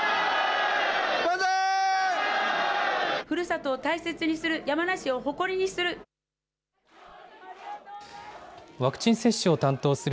ふるさとを大切にする、山梨を誇りにする。